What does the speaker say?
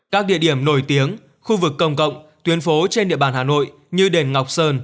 các địa điểm nổi tiếng khu vực công cộng tuyến phố trên địa bàn hà nội như đền ngọc sơn